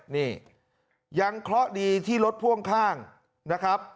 นี่ยังเคราะห์ดีที่รถพ่วงข้างนะครับ